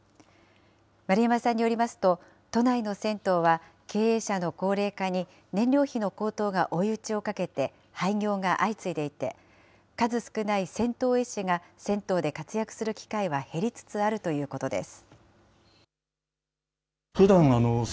丸山さんによりますと、都内の銭湯は経営者の高齢化に燃料費の高騰が追い打ちをかけて、廃業が相次いでいて、数少ない銭湯絵師が銭湯で活躍する機会は減りつつあるということです。